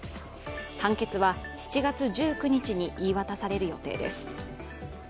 判決は７月１９日に言い渡される予定です。